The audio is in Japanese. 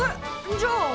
じゃあ。